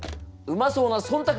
うまそうな「忖度」